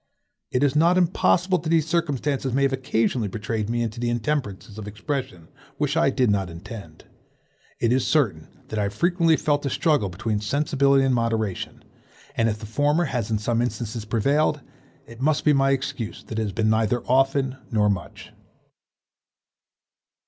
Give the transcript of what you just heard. It is not impossible that these circumstances may have occasionally betrayed me into intemperances of expression which I did not intend; it is certain that I have frequently felt a struggle between sensibility and moderation; and if the former has in some instances prevailed, it must be my excuse that it has been neither often nor much.